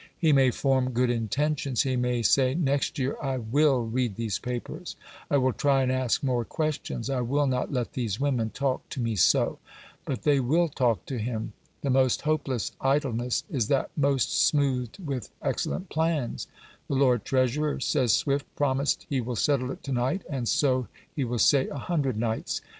He may form good intentions; he may say, "Next year I WILL read these papers; I will try and ask more questions; I will not let these women talk to me so". But they will talk to him. The most hopeless idleness is that most smoothed with excellent plans. "The Lord Treasurer," says Swift, "promised he will settle it to night, and so he will say a hundred nights."